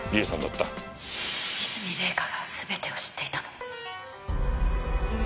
和泉礼香が全てを知っていたのね。